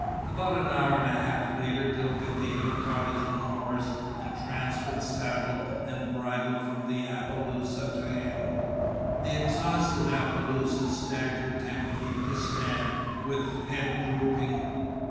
About an hour and a half later Delgadito caught his own horse and transferred saddle and bridle from the apaloosa to him. The exhausted apaloosa staggered ten feet to stand with head drooping.